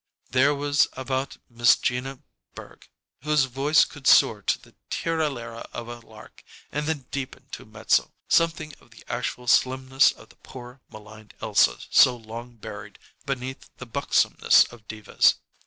There was about Miss Gina Berg, whose voice could soar to the tirra lirra of a lark and then deepen to mezzo, something of the actual slimness of the poor, maligned Elsa so long buried beneath the buxomness of divas.